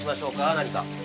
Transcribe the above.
何か。